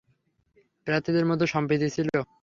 প্রার্থীদের মধ্যে সম্প্রীতি ছিল।